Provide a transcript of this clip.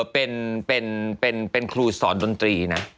เป็นครูสอนดนตรีนะ